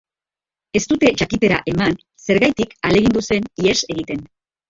Ez dute jakitera eman zergatik ahalegindu zen ihes egiten.